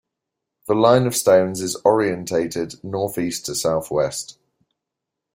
The line of stones is orientated north-east to south-west.